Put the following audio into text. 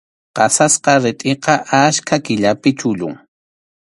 Qasasqa ritʼiqa achka killapi chullun.